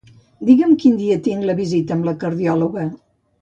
Digue'm quin dia tinc la visita amb la cardiòloga.